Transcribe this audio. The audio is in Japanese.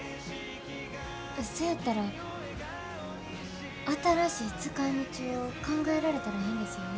そやったら新しい使いみちを考えられたらええんですよね。